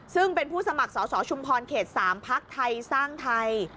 ซึ่งเป็นผู้สมัครสอสอชุมพรเขต๓พักไทยสร้างไทย